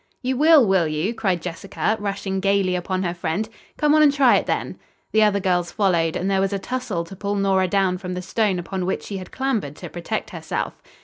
"You will, will you?" cried Jessica, rushing gayly upon her friend. "Come on and try it then!" The other girls followed, and there was a tussle to pull Nora down from the stone upon which she had clambered to protect herself.